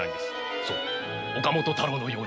そう岡本太郎のように。